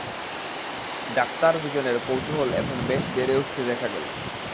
Doctor দুজনের কৌতুহল এখন বেশ বেড়ে উঠতে দেখা গেল।